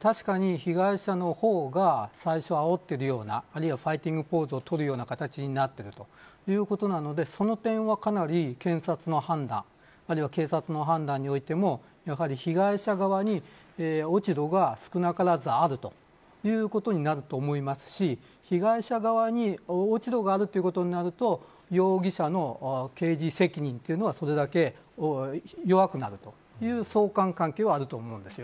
確かに被害者の方が最初、あおっているようなファイティングポーズをとるような形になっているということなのでその点は、かなり検察の判断あるいは警察の判断においてもやはり被害者側に落ち度が少なからずあるということになると思いますし被害者側に落ち度があるということになると容疑者の刑事責任というのは、それだけ弱くなるという相関関係はあると思うんです。